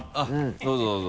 どうぞどうぞ。